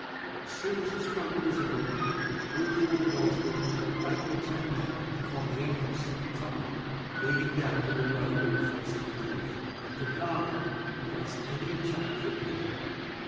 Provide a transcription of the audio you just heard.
As soon as the struggle was over Wulf ordered Osgod to take eight or ten men, to find the entrance to the tunnel leading down to the road on the face of the cliff, and to guard it against any attack from without.